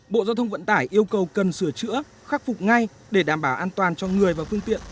bộ giao thông vận tải yêu cầu cần sửa chữa khắc phục ngay để đảm bảo an toàn cho người và phương tiện